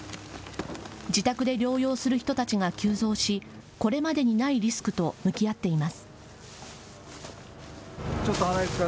自宅で療養する人たちが急増しこれまでにないリスクと向き合っています。